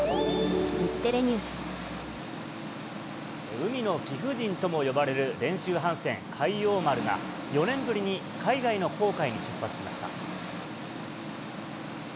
海の貴婦人とも呼ばれる練習帆船、海王丸が、４年ぶりに海外の航海に出発しました。